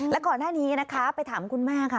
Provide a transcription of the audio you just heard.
และก่อนหน้านี้นะคะไปถามคุณแม่ค่ะ